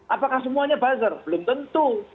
apakah semuanya buzzer belum tentu